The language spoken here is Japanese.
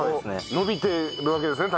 伸びているわけですね